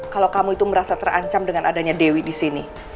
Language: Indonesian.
kalau kamu itu merasa terancam dengan adanya dewi disini